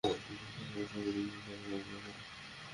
যে যাই বলুক না কেন, তুমি তাকে বিয়ে করো?